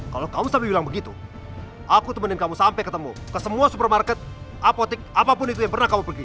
kalau kamu sampai bilang begitu aku temenin kamu sampai ketemu ke semua supermarket apotek apapun itu yang pernah kamu pergi